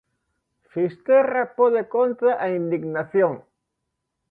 Fisterra pode contra a indignación.